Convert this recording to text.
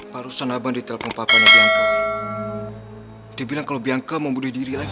barusan abang ditelepon papa nih bianca dia bilang kalau bianca mau bunuh diri lagi